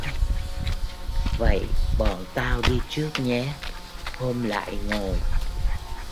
vậy bọn tao đi trước nhé hôm lại ngồi